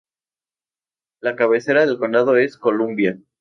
La cabecera del condado es Columbia.